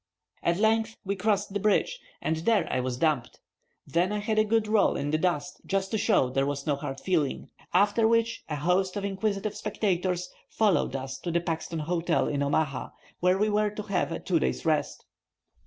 At length we crossed the bridge, and there I was dumped; then I had a good roll in the dust, just to show there was no hard feeling; after which a host of inquisitive spectators followed us to the Paxton Hotel in Omaha, where we were to have a two days' rest.